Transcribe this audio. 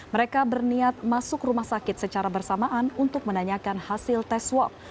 mereka berniat masuk rumah sakit secara bersamaan untuk menanyakan hasil tes swab